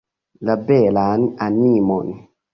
La belan animon.